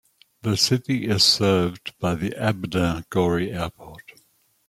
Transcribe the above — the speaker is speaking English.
The city is served by Abengourou Airport.